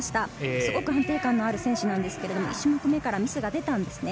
すごく安定感のある選手なんですけれど１種目目からミスが出たんです。